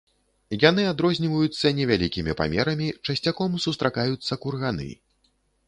Яны адрозніваюцца невялікімі памерамі, часцяком сустракаюцца курганы.